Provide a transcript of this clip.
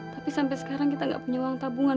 tapi sampai sekarang kita nggak punya uang tabungan